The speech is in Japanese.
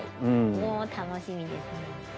おお楽しみですね。